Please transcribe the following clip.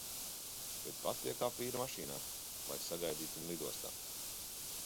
Bet pati iekāpu vīra mašīnā, lai "sagaidītu" viņu lidostā.